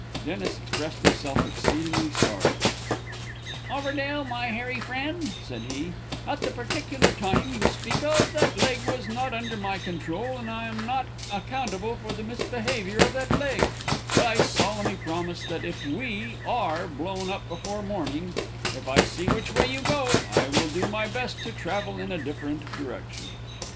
Dennis expressed himself exceedingly sorry "Overdale, my hairy friend," said he, "at the particular time you speak of, that leg was not under my control, and I am not accountable for the misbehavior of that leg; but I solemnly promise that, if we are blown up before morning, if I see which way you go, I will do my best to travel in a different direction."